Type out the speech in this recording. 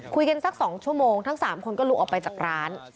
สัก๒ชั่วโมงทั้ง๓คนก็ลุกออกไปจากร้าน